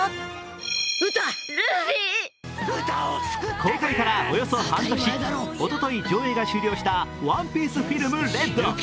公開からおよそ半年、おととし上映が終了した「ＯＮＥＰＩＥＣＥＦＩＬＭＲＥＤ」。